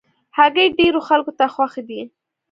هګۍ ډېرو خلکو ته خوښ دي.